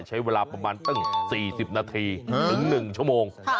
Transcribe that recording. ใช้เวลาประมาณตั้ง๔๐นาทีถึง๑ชั่วโมง